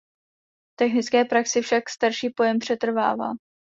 V technické praxi však starší pojem přetrvává.